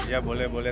iya boleh boleh